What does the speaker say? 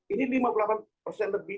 ini lima puluh delapan persen lebih